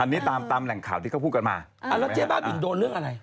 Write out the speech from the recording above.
อันนี้ตามตามแหล่งข่าวที่เขาพูดกันมาอ่าแล้วเจ๊บ้าบินโดนเรื่องอะไร